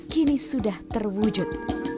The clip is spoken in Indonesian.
kini sudah terwujud